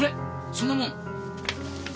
そんなもん。